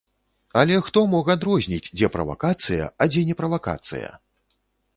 Але хто мог адрозніць, дзе правакацыя, а дзе не правакацыя?!